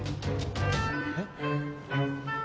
えっ？